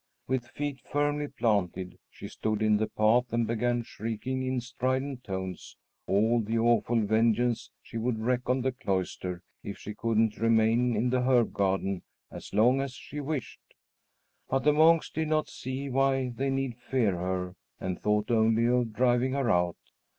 With feet firmly planted she stood in the path and began shrieking in strident tones all the awful vengeance she would wreak on the cloister if she couldn't remain in the herb garden as long as she wished. But the monks did not see why they need fear her and thought only of driving her out.